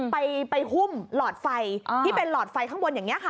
ไปหุ้มหลอดไฟที่เป็นหลอดไฟข้างบนอย่างนี้ค่ะ